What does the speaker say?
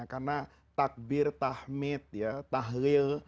karena takbir tahmid tahlil